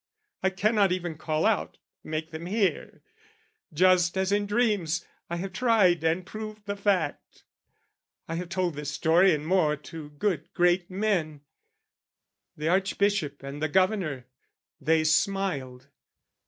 "I cannot even call out, make them hear "Just as in dreams: I have tried and proved the fact. "I have told this story and more to good great men, "The Archbishop and the Governor: they smiled.